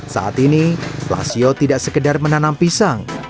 saat ini lasio tidak sekedar menanam pisang